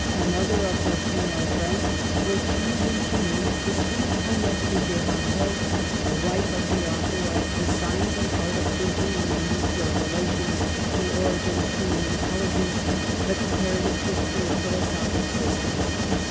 Another of her female friends was she whom she named the " sweet Annette de G£rando," the wife of the author of The Signs and Art of Thinking in their Mutual Relations, the Origin of Human Intelligence, the Comparative History of Philo sophic Systems, etc.